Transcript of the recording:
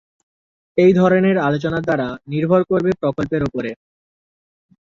এই ধরনের আলোচনার ধারা নির্ভর করবে প্রকল্পের উপর।